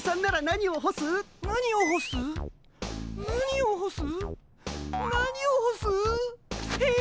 何をほす？え！